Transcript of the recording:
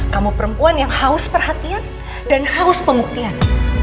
kamu perempuan yang haus perhatian dan haus pembuktian